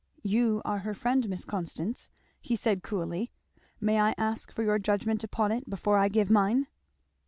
"You are her friend, Miss Constance," he said coolly. "May I ask for your judgment upon it before I give mine?"